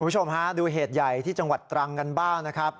คุณผู้ชมฮะดูเหตุใหญ่ที่จังหวัดตรังกันบ้างนะครับ